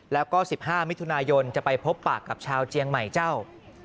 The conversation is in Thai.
แล้วก็๑๕มิถุนายนจะไปพบปากกับชาวเจียงใหม่เจ้า